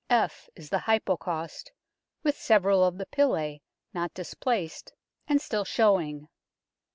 F is the Hypocaust, with several of the Pilae not displaced and still showing.